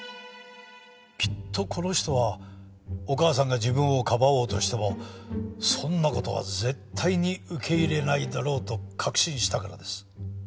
きっとこの人はお母さんが自分をかばおうとしてもそんな事は絶対に受け入れないだろうと確信したからです。